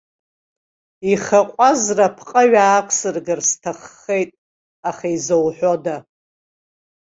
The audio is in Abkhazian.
Ихы аҟәазра апҟаҩ аақәсыргар сҭаххеит, аха изауҳәода!